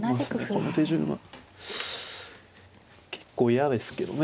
この手順は結構嫌ですけどね。